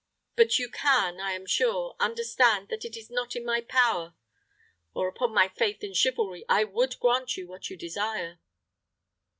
But you can, I am sure, understand that it is not in my power; or, upon my faith and chivalry, I would grant what you desire."